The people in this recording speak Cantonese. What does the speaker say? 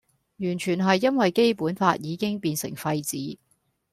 完全係因為基本法已經變成廢紙